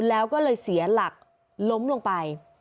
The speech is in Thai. แล้วก็เลยเสียหลักล้มลงไป